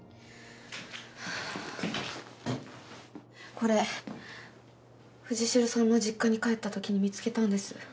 これ藤代さんの実家に帰ったときに見つけたんです。